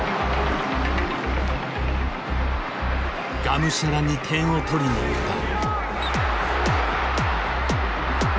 がむしゃらに点を取りにいった。